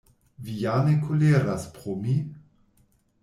Vi ja ne koleras pro mi?